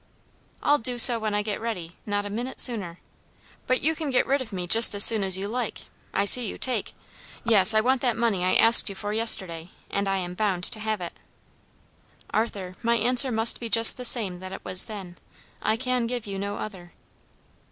"I'll do so when I get ready; not a minute sooner. But you can get rid of me just as soon as you like. I see you take. Yes, I want that money I asked you for yesterday, and I am bound to have it." "Arthur, my answer must be just the same that it was then; I can give you no other."